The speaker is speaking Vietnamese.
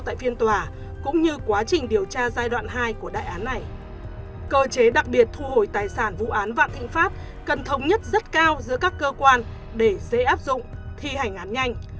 tại phiên tòa cũng như quá trình điều tra giai đoạn hai của đại án này cơ chế đặc biệt thu hồi tài sản vụ án vạn thịnh pháp cần thống nhất rất cao giữa các cơ quan để dễ áp dụng thi hành án nhanh